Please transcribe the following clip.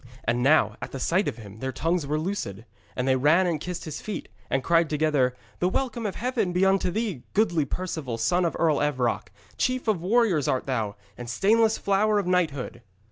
And now at sight of him their tongues were loosed, and they ran and kissed his feet, and cried together: 'The welcome of Heaven be unto thee, goodly Perceval, son of Earl Evroc! Chief of warriors art thou, and stainless flower of knighthood!'